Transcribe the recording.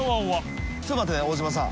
ちょっと待ってね大島さん